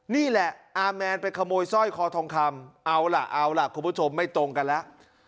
นี่แหละอาแมนไปขโมยสร้อยคอทองคำเอาล่ะเอาล่ะคุณผู้ชมไม่ตรงกันแล้ว